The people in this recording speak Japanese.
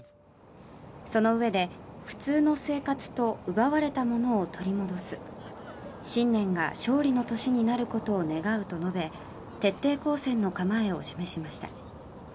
そのうえで、普通の生活と奪われたものを取り戻す新年が勝利の年になることを願うと述べ徹底抗戦の構えを示しました。